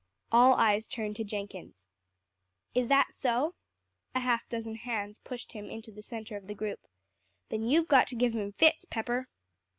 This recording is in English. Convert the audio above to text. All eyes turned to Jenkins. "Is that so?" A half dozen hands pushed him into the centre of the group. "Then you've got to give him fits, Pepper."